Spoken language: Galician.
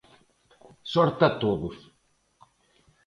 Sorte a todos.